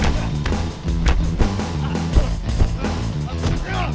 alhamdulillah kita enggak apa apa pak